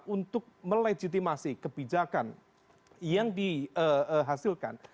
untuk melejitimasi kebijakan yang dihasilkan